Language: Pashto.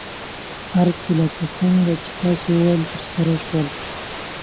هر څه لکه څنګه چې تاسو وویل، ترسره شول.